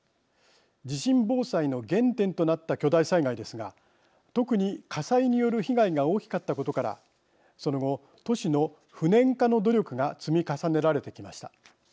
地震防災の原点となった巨大災害ですが特に火災による被害が大きかったことからその後都市の不燃化の努力が積み重ねられてきました。